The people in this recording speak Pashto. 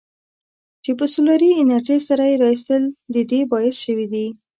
چې په سولري انرژۍ سره یې رایستل د دې باعث شویدي.